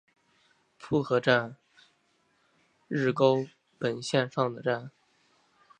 浦河站日高本线上的站。